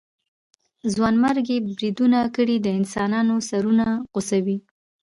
ځانمرګي بريدونه کړئ د انسانانو سرونه غوڅوئ.